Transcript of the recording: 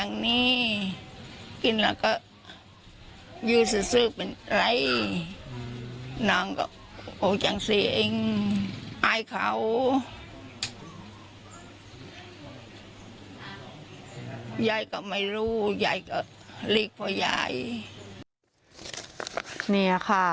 นี้น่ะครับ